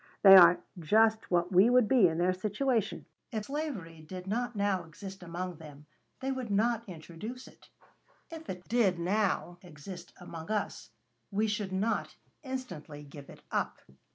They are just what we would be in their situation. If slavery did not now exist among them, they would not introduce it. If it did now exist among us, we should not instantly give it up.